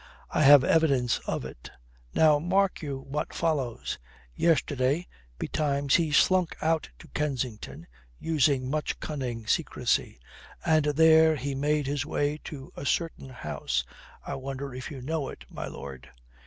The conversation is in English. I have evidence of it. Now mark you what follows. Yesterday betimes he slunk out to Kensington, using much cunning secrecy. And there he made his way to a certain house I wonder if you know it, my lord?